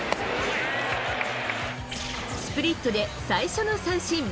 スプリットで最初の三振。